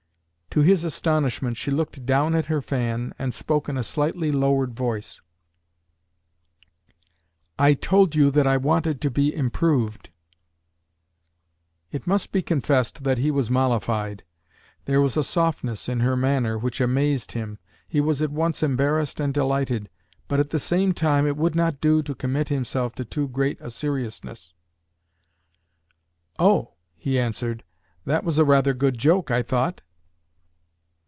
To his astonishment she looked down at her fan, and spoke in a slightly lowered voice: "I told you that I wanted to be improved." It must be confessed that he was mollified. There was a softness in her manner which amazed him. He was at once embarrassed and delighted. But, at the same time, it would not do to commit himself to too great a seriousness. "Oh!" he answered, "that was a rather good joke, I thought."